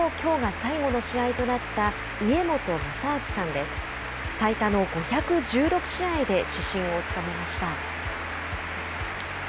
最多の５１６試合で主審を務めました。